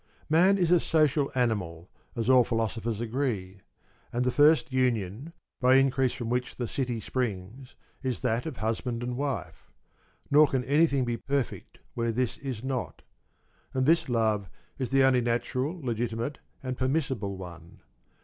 Man is a social animal, as 1 20 all philosophers agree ; and the first union, by increase from which the city springs, is that of husband and wife ; nor can anything be perfect where this is not ; and this love is the only natural, legitimate, and per missible one.